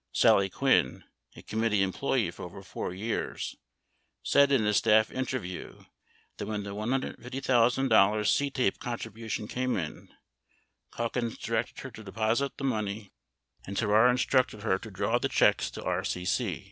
Sally Quinn, a committee employee for over 4 years, said in a staff interview that when the $150,000 CTAPE contribution came in, Caulkins directed her to deposit the money and Terrar instructed her to draw the checks to RCC.